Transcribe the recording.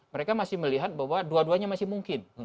mereka masih melihat bahwa dua duanya masih mungkin